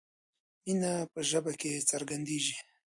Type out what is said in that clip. مینه په ژبه کې څرګندیږي.